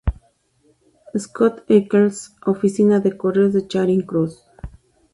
Scott Eccles, oficina de Correos de Charing Cross.